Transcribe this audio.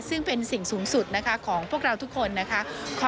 ซึ่งเป็นสิ่งสูงสุดนะคะของพวกเราทุกคนนะคะ